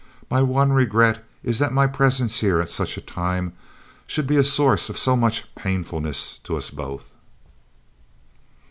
My one regret is that my presence here, at such a time, should be a source of so much painfulness to us both."